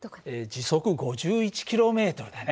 時速５１ｋｍだね。